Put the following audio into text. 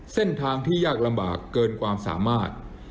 เส้นทางที่ยากลำบากเกินความสามารถ